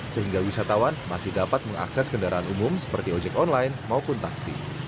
sehingga wisatawan masih dapat mengakses kendaraan umum seperti ojek online maupun taksi